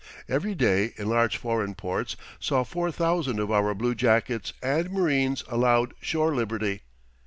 Every day in large foreign ports saw 4,000 of our bluejackets and marines allowed shore liberty.